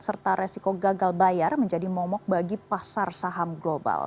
serta resiko gagal bayar menjadi momok bagi pasar saham global